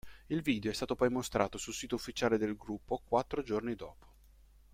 Il video è stato poi mostrato sul sito ufficiale del gruppo quattro giorni dopo.